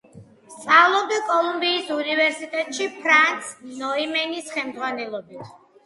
სწავლობდა კოლუმბიის უნივერსიტეტში ფრანც ნოიმანის ხელმძღვანელობით.